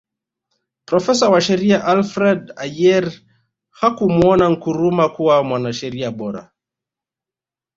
Profesa wa sheria Alfred Ayer hakumuona Nkrumah kuwa mwanasheria bora